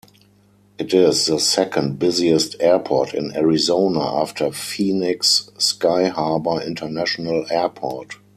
It is the second busiest airport in Arizona, after Phoenix Sky Harbor International Airport.